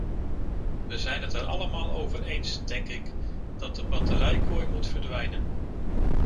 We zijn het er allemaal over eens, denk ik, dat de batterijkooi moet verdwijnen.